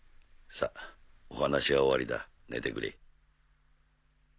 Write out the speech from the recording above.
さあお話は終わりだ寝てくれ。